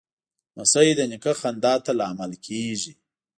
لمسی د نیکه خندا ته لامل کېږي.